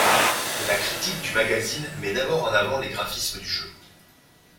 La critique du magazine ' met d’abord en avant les graphismes du jeu.